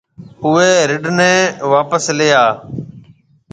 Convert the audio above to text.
اُوئي رڍ نَي واپس ليَ آ۔